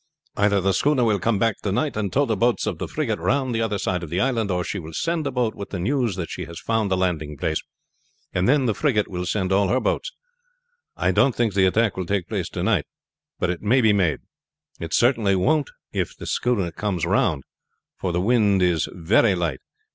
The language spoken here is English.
"Either the schooner will come back to night and tow the boats of the frigate round the other side of the island, or she will send a boat with the news that she has found a landing place, and then the frigate will send all her boats. I don't think the attack will take place to night; but it may be made. It certainly won't if the schooner comes round, for the wind is very light.